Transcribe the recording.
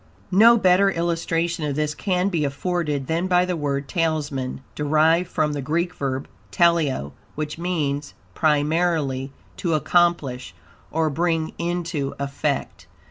No better illustration of this can be afforded than by the word "Talisman," derived from the Greek verb "teleo," which means, primarily, to accomplish, or bring into effect.